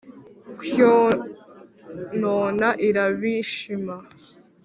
kwonona irabishima